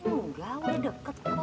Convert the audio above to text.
enggak udah deket kok